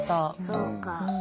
そうか。